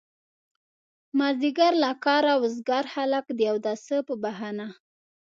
مازيګر له کاره وزګار خلک د اوداسه په بهانه.